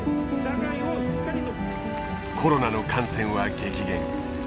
コロナの感染は激減。